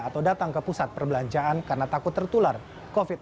atau datang ke pusat perbelanjaan karena takut tertular covid sembilan belas